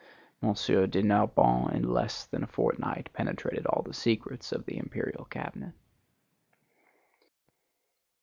M. de Narbonne in less than a fortnight penetrated all the secrets of the imperial cabinet.